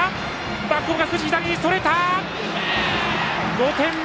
５点目！